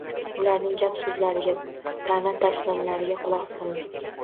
Ularning gap-so‘zlariga, ta’na- dashnomlariga quloq solmang.